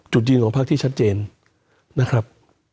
จุดยืนของพักที่ชัดเจนนะครับ